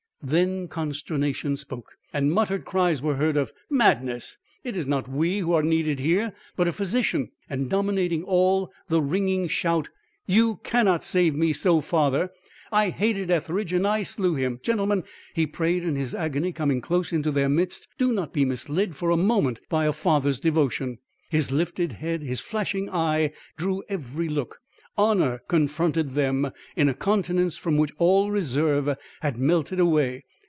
Then consternation spoke, and muttered cries were heard of "Madness! It is not we who are needed here but a physician!" and dominating all, the ringing shout: "You cannot save me so, father. I hated Etheridge and I slew him. Gentlemen," he prayed in his agony, coming close into their midst, "do not be misled for a moment by a father's devotion." His lifted head, his flashing eye, drew every look. Honour confronted them in a countenance from which all reserve had melted away.